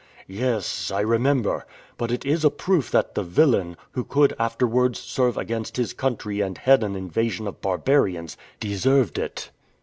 "Yes, I remember. But it is a proof that the villain, who could afterwards serve against his country and head an invasion of barbarians, deserved it."